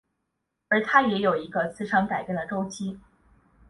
而它也有一个磁场改变的周期。